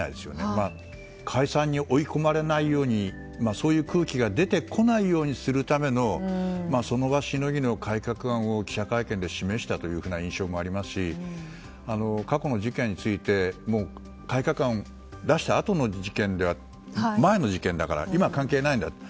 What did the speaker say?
まあ、解散に追い込まれないようにそういう空気が出ないようにするためのその場しのぎの改革案を記者会見で示したという印象もありますし過去の事件について改革案を出した前の事件で今は関係ないんだと。